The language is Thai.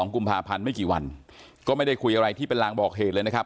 กุมภาพันธ์ไม่กี่วันก็ไม่ได้คุยอะไรที่เป็นลางบอกเหตุเลยนะครับ